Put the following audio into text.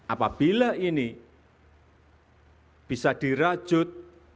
apabila ini bisa dirajut